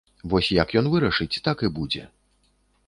Вось як ён вырашыць, так і будзе.